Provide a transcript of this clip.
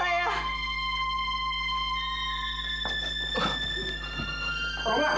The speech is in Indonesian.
romlah jangan marah dulu